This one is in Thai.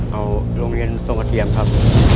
เอาโรงเรียนทรงกระเทียมครับ